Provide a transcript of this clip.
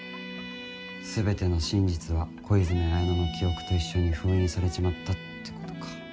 全ての真実は小泉文乃の記憶と一緒に封印されちまったってことか。